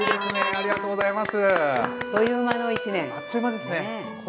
ありがとうございます。